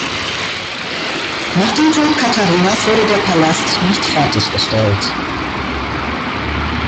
Nach dem Tod Katharinas wurde der Palast nicht fertiggestellt.